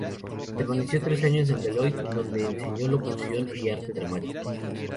Permaneció tres años en Beloit, donde enseñó locución y arte dramático.